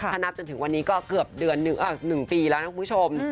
ถ้านับจนถึงวันนี้ก็เกือบเดือน๑ปีแล้วนะคุณผู้ชม